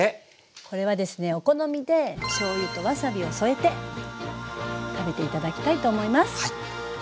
これはですねお好みでしょうゆとわさびを添えて食べて頂きたいと思います。